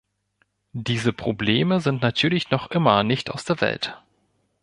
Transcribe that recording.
Diese Probleme sind natürlich noch immer nicht aus der Welt.